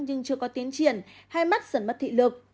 nhưng chưa có tiến triển hai mắt dần mất thị lực